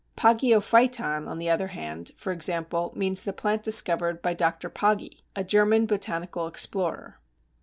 Poggeophyton, on the other hand, for example, means the plant discovered by Dr. Pogge, a German botanical explorer.